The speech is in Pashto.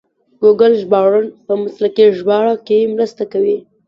ګوګل ژباړن په مسلکي ژباړه کې مرسته کوي.